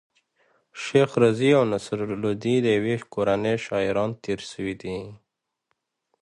شېخ رضي او نصر لودي د ېوې کورنۍ شاعران تېر سوي دي.